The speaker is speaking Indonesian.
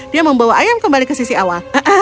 dia membawa ayam kembali ke sisi awal